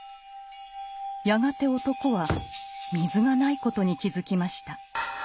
やがて男は水がないことに気付きました。